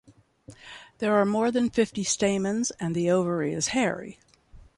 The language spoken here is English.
There are more than fifty stamens and the ovary is hairy.